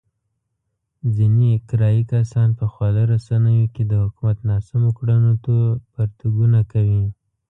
ځنې کرايي کسان په خواله رسينو کې د حکومت ناسمو کړنو ته پرتوګونه کوي.